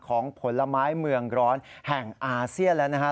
ของผลไม้เมืองร้อนแห่งอาเซียแล้วนะครับ